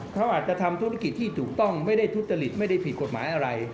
เขาอาจจะทำธุรกิจที่ถูกต้องไม่ได้ทุจริตไม่ได้ผิดกฎหมายอะไร